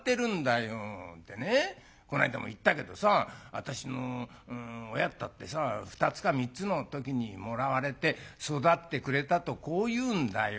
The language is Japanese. でねこないだも言ったけどさ私の親ったってさ２つか３つの時にもらわれて育ててくれたとこう言うんだよ。